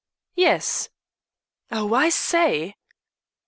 "Yes!" "Oh, I say!"